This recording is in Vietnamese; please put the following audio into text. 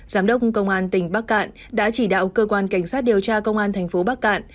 giám đốc công an tỉnh bắc cạn đã chỉ đạo cơ quan cảnh sát điều tra công an thành phố bắc cạn